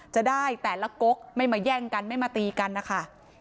จะได้แต่ละก๊กไม่มาแย่งกันไม่มาตีกันนะคะ